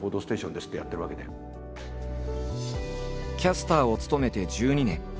キャスターを務めて１２年。